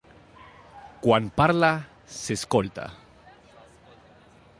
Quan parla s'escolta.